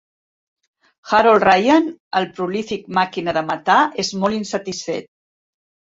Harold Ryan, el prolífic màquina de matar, és molt insatisfet.